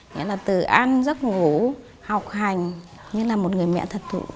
nghĩa là từ ăn giấc ngủ học hành như là một người mẹ thật thụ